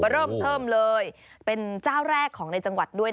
เริ่มเทิมเลยเป็นเจ้าแรกของในจังหวัดด้วย